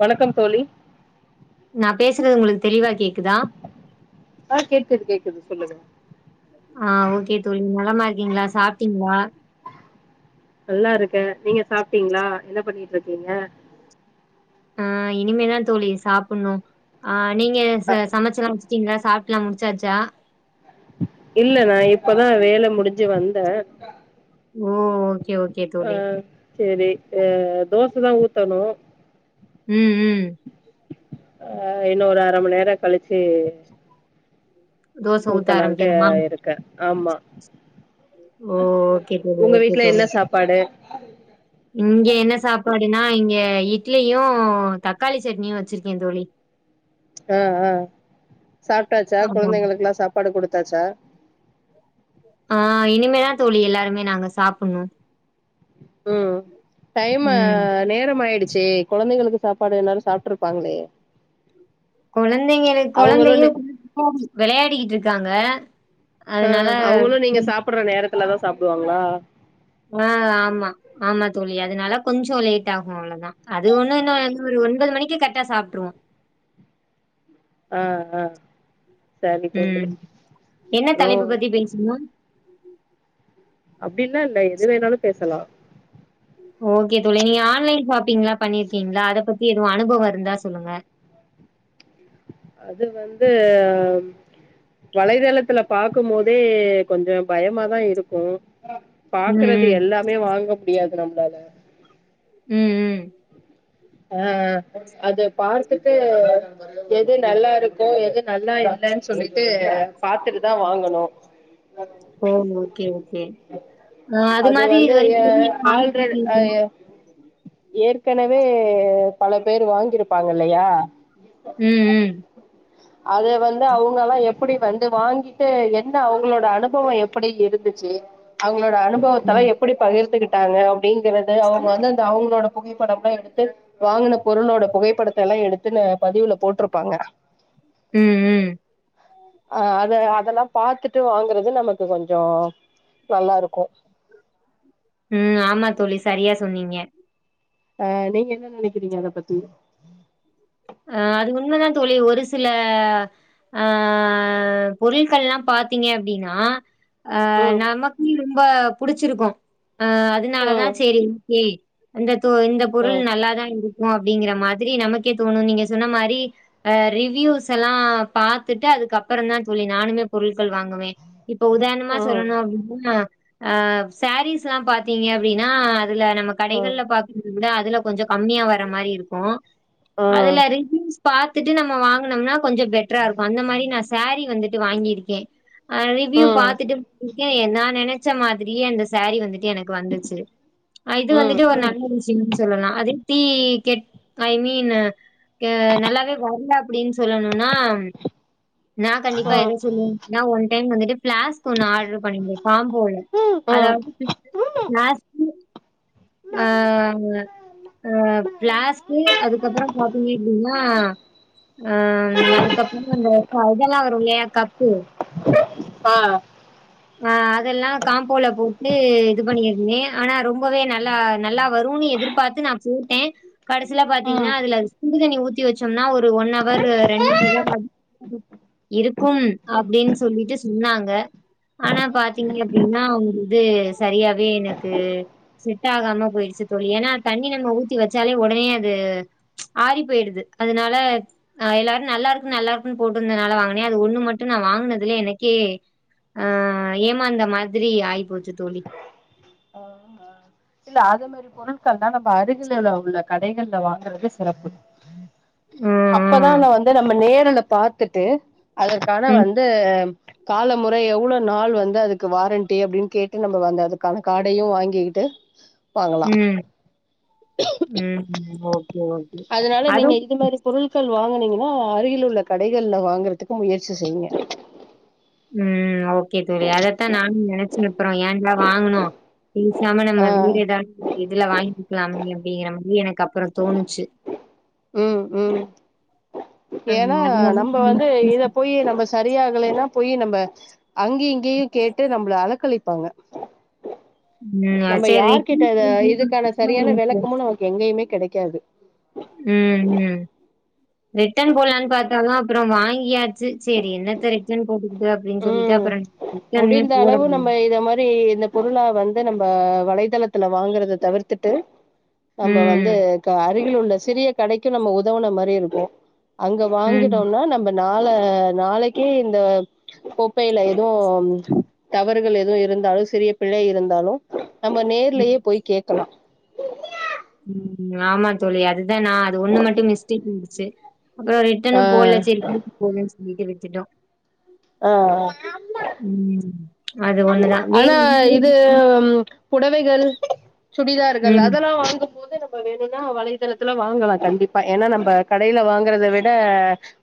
வணக்கம் தோழி நா பேசுறது உங்களுக் தெளிவா கேக்குதா? ஆ, கேக்கது கேக்கது சொல்லுங்க ஆ, ஓகே தோழி நலமா இருக்கீங்களா சாப்ட்டீங்ளா நல்லா இருக்க நீங்க சாப்ட்டீங்ளா என்ன பண்ணி ட்ருக்கீங்க ஆ, இனிமேதா தோழி சாப்புட்னு ஆ நீங்க அ ச சமைச்சிலா வச் சிங்ளா சாப்ட்லா, முடிச்சாச்சா இல்ல நா இப்பதா வேல முடிஞ்சி வந்த ஓ ஓகே ஓகே தோழி சேரி அ தோசதா ஊத்தணு ம் ம் அ இன்னொரு அரமண்நேரம் கழிச்சு தோச ஊத்த ஊத்தலாண்ட்டு ஆரம்பிக்கணுமா இருக்க ஆமா ஓ ஓகே தோழி உங்க வீட்ல என்ன சாப்பாடு [inaudible] இங்கே என்ன சாப்பாடுனா இங் எ இட்லியும் தக்காளி சட்னியும் வச்சிருக்க தோழி ஆ ஆ சாப்டாச்சா ஆமா குழந்தைங்களுக்குல்லா சாப்பாடு குடு டாச்சா ஆ இனிமேதா தோழி எல்லாருமே நாங்க சாப்புனு ம் டைம்ம நேரமாயிடுச்சி குழந்தைகளுக்கு சாப்பாடு எல்லாரு சாப்பிட்ருப்பாங்களே கொழந் நீங்க என் நே கொழந்தையும் [inaudible] வெளயாடிக்கிட்டு இருக்காங்க வ ஆ அவுங்களும் நீங்க சாப்பிடற நேரத் உப்பு இல்லா தான் சாப்பிடுவாங்களா ஆ ஆமா ஆமா தோழி அதனால கொஞ்சம் லேட் ஆகும் அவ்ளோதான் அது ஒண்ணும் இல்ல இன்னும் ஒரு ஒன்பது மணிக்கு கரெக்டா சாப்பிட்டுருவோம் ஆ ஆ சரி தோழி ம் என்ன அப்றோ தலைப்பு பத்தி பேசனும் அப்டின்ல்லா இல்ல எது வேணாலு பேசலா ஓகே தோழி நீ ஆன்லைன் ஷாப்பிங்ல்லா பண்ணிருக்கீங்களா அத பத்தி எதுவு அனுபவோ இருந்தா சொல்லுங்க அது வந் து ம் வலைத்தளத்துல பாக்கும்மோதே கொஞ்சோ பயமா தா இருக்கூ ம், பாக்குறது ம். எல்லாமே வாங்க முடியாது நம்ப்ளால உம் உம் அ அது பார்த்துட்டு எது நல்லா இருக்கு எது நல்லா இல்லன் சொல்லிட்டு பாத்துட்டுதா வாங்கணு ஓ ஓகே ஓகே அ அது மாரி இது வரிக்கு [unintelligible] ஏற்கெனவே எ பல பேர் வாங்கியிருப்பாங்க இல்லையா ம், ம். அத வந்து அவுங்கல்லா எப் ப்படி வந்து வாங்கிட்டு என்ன அவுங்களோட அனுபவோ எப்படி இருந்துச்சு அவுங்களோட அனுபவத்தலா ம். எப்படி பகிர்ந்துக்கிட் டாங்க அப்படிங்கறற்த அவுங் வந்து அந்த அவுங்ளோட புகைப்படம் லா எடுத் து வாங்குன பொருளோட புகைப்படத்தல்லா எடுத்து பதிவுல போட்ருப்பாங்க உம் உம் அ அத அதெல்லா பார்த்துட்டு வாங்குறது நமக்கு கொஞ்சோ நல்லா இருக்கூ உம் ஆமா தோழி சரியா சொன்னீங்க அ நீங்க என்ன நினக்கிறீங்க அத பத்தி அ அது உண்மதா தோழி ஒரு சில அ பொருட்கள்ல்லா பாத்தீங்க அப்டீனா அ ம் நமக் [unintelligible] ம்ப புடிச்சிருக்கோ அ அதனால தா ம் செரி ஓகே அந்த சோ இந்த பொருள் ம் நல்லாதா இருந் ஒ அப்டிங்கிற மாதிரி நமக்கே தோணு நீங்க சொன்ன மாரி ரிவீயூஸ் எல்லா பாத்துட்டு அதுக்கப்புறோ தா தோழி நானுமே பொரு ட்கள் வாங்குவே இப்போ உதார்ணமா ம் சொல்லணு அப்டின்னா அ சாரீஸ்ல்லா பாத்தீங்க அப்டீனா ல நம்ம ம் கடைகள்ல பாக் [unintelligible] விட அதி அதுல கொஞ்சோ கம்மியா வர மாரி இருக்கோ ம் ம் அதுல ரீவீயூஸ் பாத்துட்டு நம்ம வாங் னும்னா கொஞ்சோ பெட்ரா இருக்கு அந்த மாரி நா சேரி வந்துட் டு வாங்கிருக்கே அ ரிவ்யூ ம் பாத்துட்டு இருக்க [unintelligible] நா நெனே ச்ச மாதிரியே அந்த சாரீ வந்துட் எனக்கு வந்துருச்சு ஆஹ் இது வந்துட்டு ஒரு ம் நண்பர் [inaudible] சொல்லலா அது தி கெட் ஐ மீனு கெ நல்லாவே வர்ல அப்டின்னு சொல்லணு நாம் நா கண்டிப்பா எத ம் சொல்வனு பாத்திங்னா ஒன் தென் வந்துட்டு பிளாஸ்க் ஒன்னு ஆர்டரு பண்ணியிருந்தே காம்போல ம் அதாவது ம் பிளாஸ்கு ஆஹ் ஆஹ் பிளாஸ்கு அதுக்கப்புறோ பாத்தீங்க அப்டினா ஆஹ் அதுக்கப்புறோ அந்த இதெல்லா வரு இல்லயா கப்பு ஆ ஆ அதெல்லா காம்போல போட்டு இது பண்ணியிருந்தே ஆனா ரொம்பவே நல்லா நல்லா வருனு எதிர்பாத்து நா போட்டே கடைசிலா ம் பாத்தீங்கனா அதுல சுடுதண்ணி ஊத் ஊத்தி வச்சோம்னா ஒரு ஒன் அவர் ரெண்டு [inaudible] இருக்கும் அப்டின்னு சொல்லிட்டு சொன்னாங்க ஆனா பாத்தீங்க அப்டின்னா அவங்க இது சரியாவே எனக்கு செட் ஆகாம போயிடுச்சு தோழி ஏன்னா தண்ணி நம்ம ஊத்தி வச்சாலே உடனே அது ச் ஆறி போயிடுது அதனால ஆ எல்லாரு நல்லா இருக்கு நல்லா இருக்குனு போட்டிருந்ததுனால வாங்குனே அது ஒண்ணு மட்டு நா வாங்னதுலே எனக்கே ஆ ஏமாந்த மாரி ஆய் போச்சு தோழி ஆஹ் இல்ல அதே மாரி போனா [unintelligible] அருகில் உள்ள கடைகள்ல வாங்குறது சிறப்பு அப்பதா ம் நா வந்து நம்ம நேருல பாத்துட்டு அதர்கான ம் வந்து காலமுறை எவ்ளோ நாள் வந்து அதுக்கு வாரண்டி அப்டின்னு கேட்டு நம்ம வந்து அதுக்கான காடயு வாங்கிகிட்டு உம் உம் ஓகே ஓகே அதுவு ஓ அருகில் உள்ள கடைகள்ல வாங்குறதுக்கு முயற்சி செய்ங்க உம் ஓகே தோழி அதத்தா நானும் நெனைச்சு அப்புறோ ஏன்டா வாங்குனோ பேசாம ஆ நம்ம வேற ஏதாவது இதுல வாங்கிக்கிலாம் இல்லயா அப்டிங்கற மாரி எனக்கு அப்புறோ தோணுச்சு உம் உம் ஏன்னா ம் அதனால நம்ம ம் வந்து இத போய் நம்ம சரியாகலேன்னா போயி நம்ம அங்கயு இங்கயு கேட்டு நம்மள அலக்களிப்பாங்க நம்ம சேரி யார் கிட்ட இத இதுக்கான சரியான விளக்கமு நமக்கு எங்கேயுமே கெடைக் காது உம் ரிட்டன் போட்லானு பாத்தாலு அப்புறோ வாங்கியாச்சு செரி என்னத்த ரிட்டன் போட்டுக்கிட்டு அப்டின்னு சொல்லிட்டு உம் அப்புறோ ரிட்டனுமே முடிந்த போடல அளவு நம்ம இத மாரி இந்த பொருளா வந்து நம்ம வலை தலத்துல வாங்குறத தவிர்த்துட்டு நம்ப வந்து ம் கா அருகில் உள்ள சிறிய கடைக்கு நம்ம உதவுன மாரி இருக்கு அங்க ம் வாங்கிடோனா நம்ம நாள நாளைக்கே இந்த கோப்பையில எதும் தவறுகள் எதும் இருந்தாலு சிறிய பிழை இருந்தாலு நம்ம நேர்லயே போய் கேட்கலா உம் ஆமா தோழி அது அது நா அது ஒன்னு மட்டு மிஸ்டேக் சேர் அப்றோ ரிட்டனு ஆ போடல சேரி [unintelligible] வீடு வித்துட்டோ உம்ஹ் அலோ இது புடவைகள் சுடிதார்கள் ம் அதெல்லா வாங்க போது நம்ம வேணுனா வலைத்தளத்துல வாங்கலா கண்டிப்பா ஏனா நம்ப கடையில வாங்குறத விட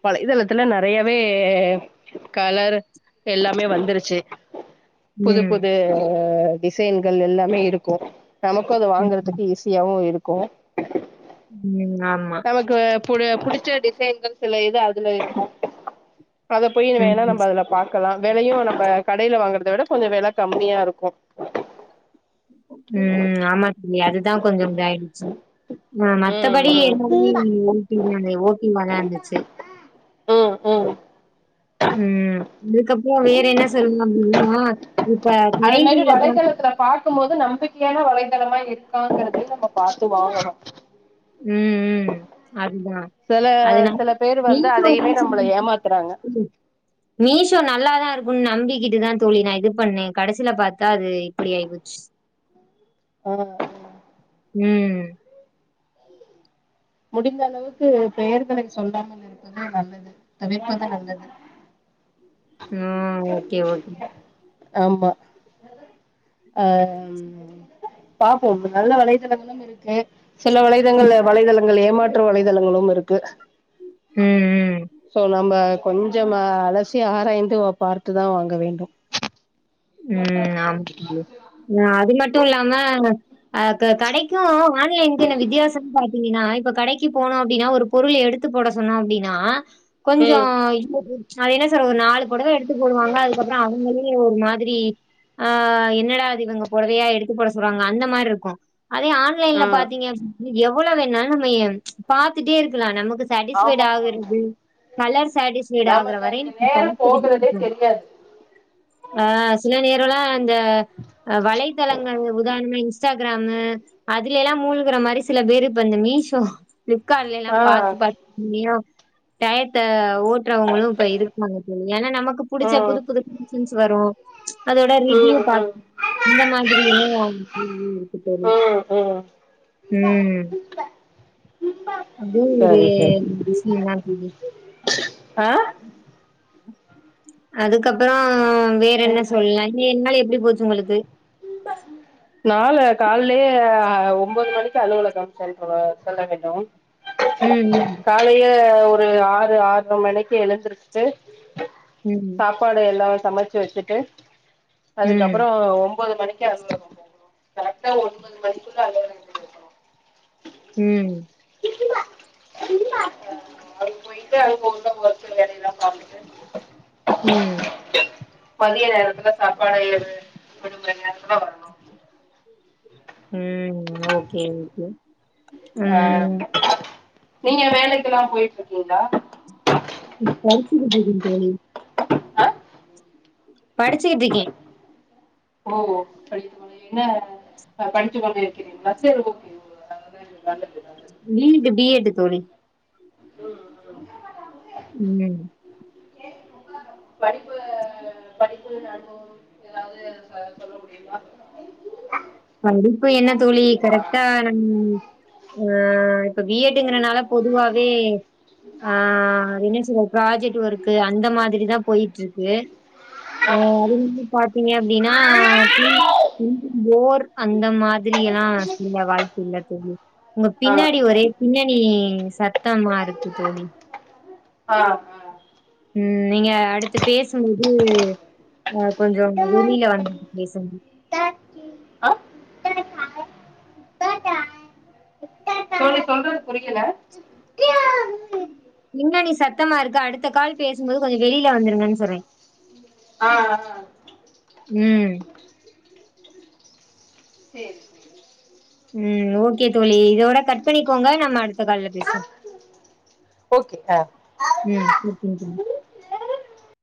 வலைத்தளத்துல நெறையாவே கலர் எல்லாமே வந்துருச்சு புது ம் புது டிசைன்கள் எல்லாமே இருக்கு நமக்கு அத ம் வாங்குறதுக்கு ஈஸியாவு இருக்கு கோ [unintelligible] நமக்கு பு புடிச்ச டிசைன்கள் சில இது அதுல இருக்கு அத போயி ம் வேணா நம்ம அதுல பாக்கலா வெலையு நம்ப கடையில வாங்கறத விட கொஞ்சோ வெல கம்மியா இருக்கு உம் ஆமா இங்க அதுதா கொஞ்சோ இப்டி ஆயிடுச்சு ஆஹ் மத்தபடி ம் [unintelligible] ஓட்டி வெளாண்டுச்சு ம் ம் ம் உம்ஹ் அதுக்கப்றோ வேற என்ன சொல்னு அப்டின்னா இப்ப அதே மாரி [unintelligible] வலைதளத்துல பாக்கும்போது நம்பிக்கையான வலைதளமா இருக்காங்கறத நம்ம பாத்து வாங்கணு உம்ஹ் உம்ஹ் அதுதா சில அதுனா சில பேர் வந்து மீசோ அதையவே நம்மள ஏமாத்துறாங்க [unintelligible] மீ சோ நல்லாதா இருக் நம்பிக்கிட்டுதா தோழி நா இது பண்ண கடைசியில பாத்தா அது இப்படி ஆயிபோச்சு ஆஹ் ஆஹ் ம் ஹ் முடிந்த அளவுக்கு பெயர்களை சொல்லாமல் இருப்பது நல்லது தவிர்ப்பது நல்லது ம்ஹ் ஓகே ஓகே ஆமா அஹ் பாப்போம் நல்ல வலைதளங்களும் இருக்கு சில வலைதங்கள வலைதளங்கள் ஏமாத் த்துற வலைதளங்களும் இருக்கு ம் ம் சோ நம்ம கொஞ்சமா அலஸ் சி ஆராய்ந்து அத பார்த்துதா வாங்க வேண்டு உம் ஆமா குட்டி புள்ள ம் அது மட் ட்டு இல்லாம அஹ் க கடைக்கு ஆன்லைனுக்கு உள்ள வித்தியாசம்னு பாத்தீங்கனா இப்ப கடைக்கு போனோ அப்டினா ஒரு பொருள எடுத்து போட சொன்னோ அப்டினா கொஞ்சோ ம் [inaudible] அது என்ன சொல்றது ஒரு நாலு பொடவ எடுத்து போடுவாங்க அதுக்கப்ற அவ்ங்களே ஒரு மாதி மாதிரி ஆ என்னடா இது இவங்க பொடவையா எடுத்துபோட சொல்றாங்க அந்த மாதிரி இருக்கு அதே ஆ ஆன்லைன்ல பாத்திங்க எவ வேணாலும் நம்ம பாத்துட்டே இருக்கலாம் நமக்கு சட்டிஸ்பைய்டு ஆமா ஆமா ஆமா ஆகிறது கலர் சட்டிஸ்பைய்டு ஆகற நமக்கு வரை அதுக்கு நேரம் பாத்துக்கிட்டே போகிறதே இரு தெரியாது சில நேரலா இந்த வலைத்தளங்கள் உதாரண ன்ஸ் இன்ஸ்டாகிராமு அதுல எல்லாம் மூழு்கிற மாதிரி சில பேரு இப்ப அந்து மீஷோ பிப் கார்ட்லளா ஆ பாத்து பாத்து மியா டயத்த ஓட்டுறவங்களும் இப்ப இருக்காங்க தோழி ஏன்னா நமக்கு பிடிச்ச புது ம் புது திங்ச் வரும் அதோட ரிவ்யு பாக் ம் [inaudible] இந்த மாதிரி இன்னு [unintelligible] இருக்கு தோழி ம் ம் ம் ம் அதுவு ஒரு சரி சரி விசியந்தா தோழி ஆ அது அதுக்கப்புறம் வேற என்ன சொல்ல ஏழு நாள் எப்படி போச்சு உங்களுக்கு து நால கால் ப்ளே ஒன்பது மணிக்கு அலுவலகம் செல் செல்ல வேண்டும் உம் அது ஒரு ஆறு ஆற்அற மணிக்கு எழுந்திருக்சுட்டு ம் சாப்பாடு எல்லாம் சமச்சு வச்சுட்டு ம் அதுக்கப்புறம் ஒன்பது மணி கரெக்டா ஒரு ஒன்பது மணிக்குள்ள அலுவலகதுல இருக்கனு ம்ஹ் [unintelligible] வொர்க்கு வேலலா பாதிட்டு ம் மதிய நேரத்துல சாப்பாடு இது கொடுக்குற நேரத்துல வரணோ ம் ஓகே ஓகே ஆ ம். நீங்க வேலைக் க்கலா போயிட்ருக்கீங்களா படிச்சிட்டு இருக்க தோழி ஆ படிச்சுக்கிட்டு இருக்கேன். ஓ [unintelligible] என்ன படிச்சுக் கொண்ட இருக்கிறீங்களா சரி ஓகே நல்லது நல்லது பி ஏட் பி ஏடு தோழி ம் ம். படிப்பு படிப்பு [unintelligible] ஏதாவது சொல்ல முடியுமா படிப்பு என்ன தோழி ஆ கரெக்டா நம் ஆ இப்ப பி எட் பி ஏடு ங்கறதுனால பொதுவாவே ஆ என்ன சொல்றது ப்ராஜெட் ஒர்க்கு அந்த மாதிரி தா போய்ட்ருக்கு அதுனு பாத்தீங்க அப்டீன்னா [inaudible] போர் அந்த மாதிரிலா செய்ய வாய்ப்பில்ல தோழி உங்க ஆ பின்னாடி ஒரே பின்ன பி சத் தமா இருக்கு தோழி ஆ ஆ ம் நீங்க அடுத்து பேசும்போது கொஞ்சோ வெளில வந்து பேசுங்க ஆ தோழி சொல்றது புரியுல பின்னாடி சத்தமா இருக்கு அடுத்த கால் பேசும் போது கொஞ்சோ வெளில வந்துருங்கனு சொன்னே ஆ ஆ ம் செரி செரி ம் ஓகே தோழி இதோட கட் பண்ணிக்கோங்க நம்ம அடுத்த கால்ல பேசுவோம் ஓகே ஆ ம் [unintelligible]